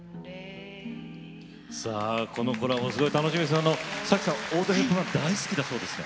さあこのコラボすごい楽しみですけど咲妃さんオードリー・ヘプバーン大好きだそうですね。